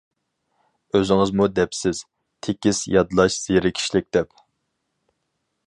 ئۆزىڭىزمۇ دەپسىز، تېكىست يادلاش زېرىكىشلىك دەپ.